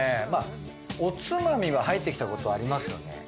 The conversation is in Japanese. まぁおつまみは入ってきたことありますよね。